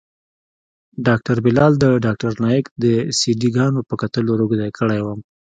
ډاکتر بلال د ذاکر نايک د سي ډي ګانو په کتلو روږدى کړى وم.